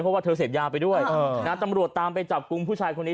เพราะว่าเธอเสพยาไปด้วยตำรวจตามไปจับกลุ่มผู้ชายคนนี้